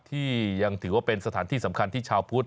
ที่ยังถือว่าเป็นสถานที่สำคัญที่ชาวพุทธ